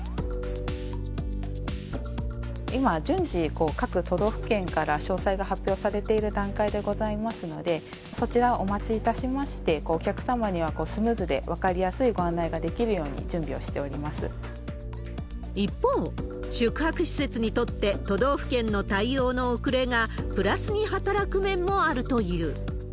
今、順次、各都道府県から詳細が発表されている段階でございますので、そちらをお待ちいたしまして、お客様にはスムーズで分かりやすいご案内ができるように、準備を一方、宿泊施設にとって、都道府県の対応の遅れがプラスに働く面もあるという。